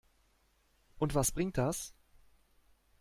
Und was bringt das?